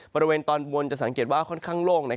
บริเวณตอนบนจะสังเกตว่าค่อนข้างโล่ง